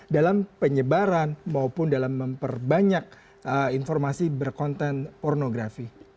dalam penyebaran maupun dalam memperbanyak informasi berkonten pornografi